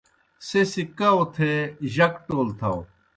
سہ سی کؤ تھے جک ٹول تھاؤ۔